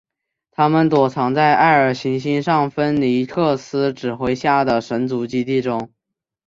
他们躲藏在艾尔行星上芬尼克斯指挥下的神族基地中。